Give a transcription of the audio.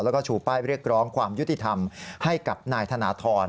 แล้วก็ชูป้ายเรียกร้องความยุติธรรมให้กับนายธนทร